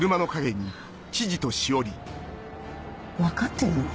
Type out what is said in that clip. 分かってるの？